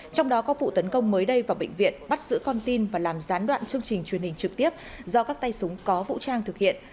trong đó có vụ tấn công mới đây vào bệnh viện bắt giữ con tin và làm gián đoạn chương trình truyền hình trực tiếp do các tay súng có vũ trang thực hiện